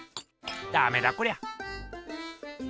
ダメだこりゃ。